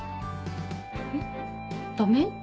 えっダメ？